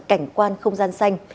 cảnh quan không gian sát